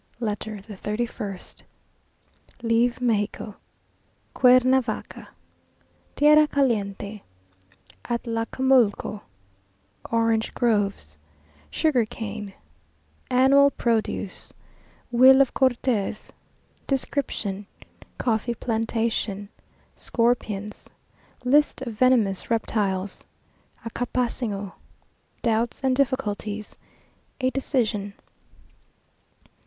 LETTER THE THIRTY FIRST Leave Mexico Cuernavaca Tierra Caliente Atlacamulco Orange Groves Sugar cane Annual Produce Will of Cortes Description Coffee Plantation Scorpions List of Venemous Reptiles Acapansingo Doubts and Difficulties A Decision.